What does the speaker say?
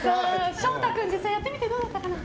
ショウタ君、実際やってみてどうだったかな？